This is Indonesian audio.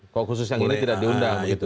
kok khusus yang ini tidak diundang